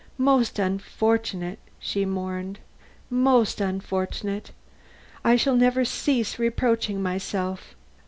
Most unfortunate!" she mourned, "most unfortunate! I shall never cease reproaching myself.